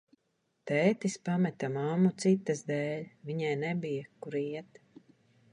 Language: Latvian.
Tētis pameta mammu citas dēļ, viņai nebija, kur iet.